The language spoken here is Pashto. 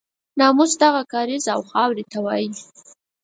ناموس دغه کاریز او خاورې ته وایي.